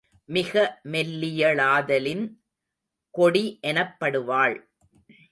மிக மெல்லிய ளாதலின், கொடி எனப்படுவாள்.